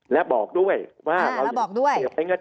และบอกด้วยว่า